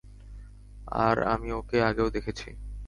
আর আমি ওকে আগেও দেখেছি।